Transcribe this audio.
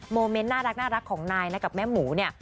เมนต์น่ารักของนายนะกับแม่หมูเนี่ย